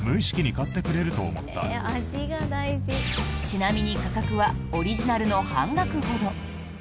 ちなみに価格はオリジナルの半額ほど。